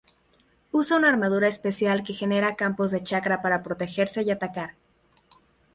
Usa una armadura especial que genera campos de chakra para protegerse y atacar.